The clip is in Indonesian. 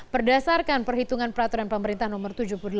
berdasarkan perhitungan peraturan pemerintah nomor tujuh puluh delapan